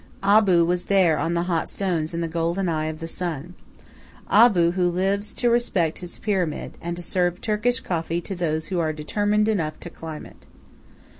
Abou was there on the hot stones in the golden eye of the sun Abou who lives to respect his Pyramid, and to serve Turkish coffee to those who are determined enough to climb it.